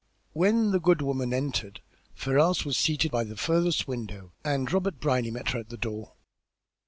When that good woman entered, Ferrars was seated by the furthest window, and Robert Brierly met her at the door.